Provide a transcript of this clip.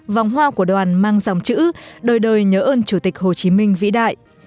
vòng hoa của đoàn mang dòng chữ đời đời nhớ ơn chủ tịch hồ chí minh vĩ đại